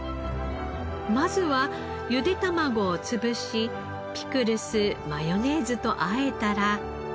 まずはゆで卵をつぶしピクルスマヨネーズとあえたら。